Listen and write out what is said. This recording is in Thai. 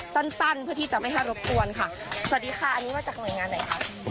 สั้นสั้นเพื่อที่จะไม่ให้รบกวนค่ะสวัสดีค่ะอันนี้มาจากหน่วยงานไหนคะ